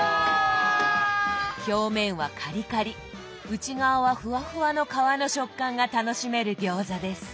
表面はカリカリ内側はふわふわの皮の食感が楽しめる餃子です。